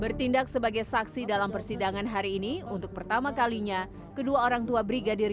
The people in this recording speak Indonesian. bertindak sebagai saksi dalam persidangan hari ini untuk pertama kalinya kedua orangtua brigadir